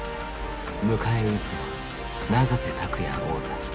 迎え撃つのは永瀬拓矢王座。